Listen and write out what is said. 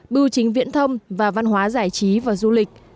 bưu chính viễn thông và văn hóa giải trí và du lịch